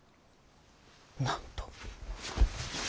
なんと。